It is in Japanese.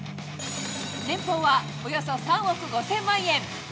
年俸はおよそ３億５０００万円。